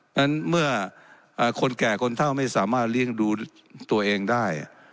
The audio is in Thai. นั้นเมื่อคนแก่คนเท่าไม่สามารถเลี้ยงดูตัวเองได้